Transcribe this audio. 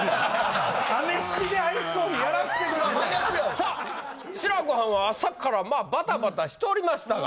さあ志らくはんは朝からまあバタバタしておりましたが。